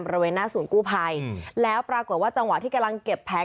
บริเวณหน้าศูนย์กู้ภัยแล้วปรากฏว่าจังหวะที่กำลังเก็บแผง